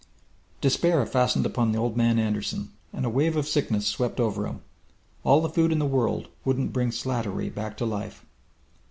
Despair fastened upon Old Man Anderson, and a wave of sickness swept over him. All the food in the world wouldn't bring Slattery back to life.